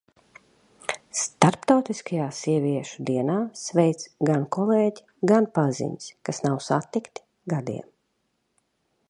Starptautiskajā sieviešu dienā sveic gan kolēģi, gan paziņas, kas nav satikti gadiem.